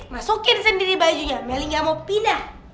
masukin sendiri bajunya meli gak mau pindah